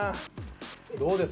どうです？